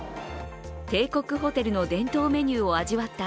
帝国ホテルの伝統メニューを味わった